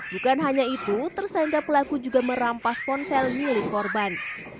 bukan hanya itu tersangka pelaku juga merampas ponsel milik korban